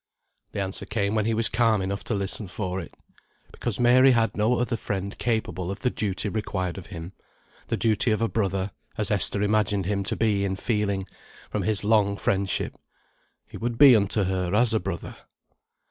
The answer came when he was calm enough to listen for it. Because Mary had no other friend capable of the duty required of him; the duty of a brother, as Esther imagined him to be in feeling, from his long friendship. He would be unto her as a brother.